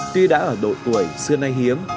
tuy đã ở đội tuổi xưa nay hiếm